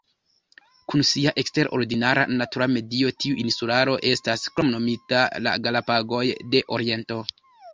Kun sia eksterordinara natura medio, tiu insularo estas kromnomita "La Galapagoj de Oriento".